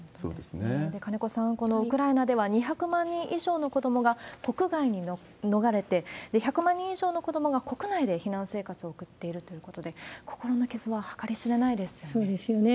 金子さん、ウクライナでは２００万人以上の子どもが国外に逃れて、１００万人以上の子どもが国内で避難生活を送っているということで、そうですよね。